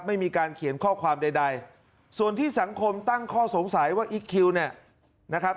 ไม่มีการเขียนข้อความใดส่วนที่สังคมตั้งข้อสงสัยว่าอีคคิวเนี่ยนะครับ